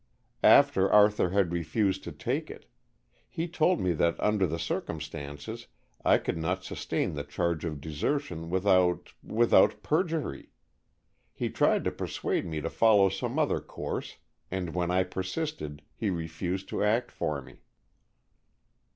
"After Arthur had refused to take it. He told me that under the circumstances I could not sustain the charge of desertion without without perjury. He tried to persuade me to follow some other course, and when I persisted he refused to act for me."